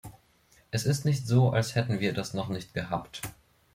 Es ist nicht so, als hätten wir das noch nicht gehabt.